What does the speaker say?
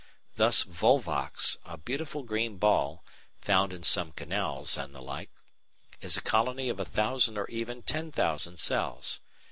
Thus Volvox, a beautiful green ball, found in some canals and the like, is a colony of a thousand or even ten thousand cells.